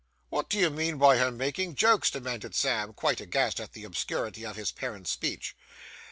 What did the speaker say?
'Wot do you mean by her making jokes?' demanded Sam, quite aghast at the obscurity of his parent's speech.